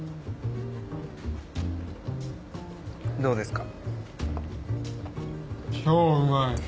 どうですか？